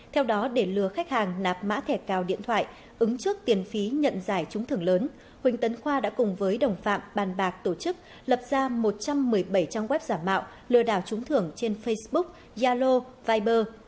theo đó để lừa khách hàng nạp mã thẻ cào điện thoại ứng trước tiền phí nhận giải trúng thưởng lớn huỳnh tấn khoa đã cùng với đồng phạm bàn bạc tổ chức lập ra một trăm một mươi bảy trang web giả mạo lừa đảo trúng thưởng trên facebook yalo viber